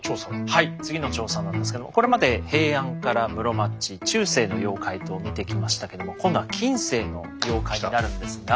はい次の調査なんですけどもこれまで平安から室町中世の妖怪と見てきましたけども今度は近世の妖怪になるんですが。